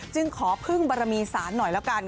ขอพึ่งบารมีสารหน่อยแล้วกัน